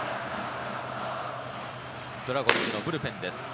ドラゴンズのブルペンです。